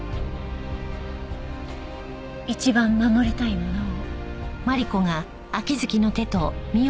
一番守りたいものを。